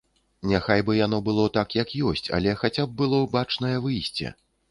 Няхай бы яно было так, як ёсць, але хаця б было бачнае выйсце.